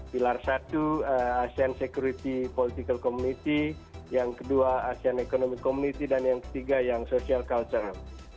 pilar satu asean security political community yang kedua asean economic community dan yang ketiga yang social culture